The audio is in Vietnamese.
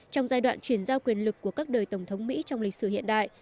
trong giai đoạn chuyển giao quyền lực của các đời tổng thống mỹ trong lịch sử hiện đại